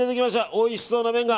おいしそうな麺が。